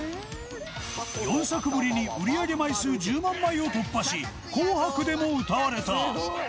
４作ぶりに売り上げ枚数１０万枚を突破し『紅白』でも歌われた。